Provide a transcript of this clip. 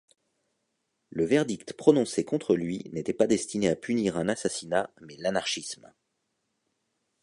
Le verdict prononcé contre lui n’était pas destiné à punir un assassinat, mais l’anarchisme.